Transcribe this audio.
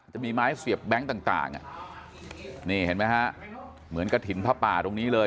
จะมีไม้เสียบแบงค์ต่างนี่เห็นไหมฮะเหมือนกระถิ่นผ้าป่าตรงนี้เลย